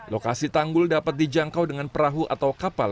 lokasi tanggul dapat dijangkau dengan perahu atau kapal